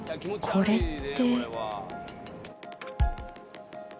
これって。